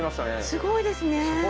すごいですね。